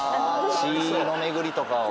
血の巡りとかを。